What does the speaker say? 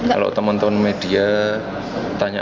kalau teman teman media tanya